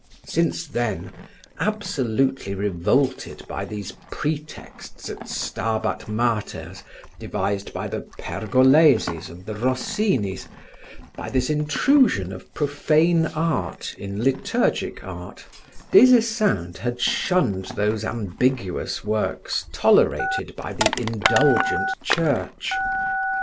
Since then, absolutely revolted by these pretexts at Stabat Maters devised by the Pergolesis and the Rossinis, by this intrusion of profane art in liturgic art, Des Esseintes had shunned those ambiguous works tolerated by the indulgent Church.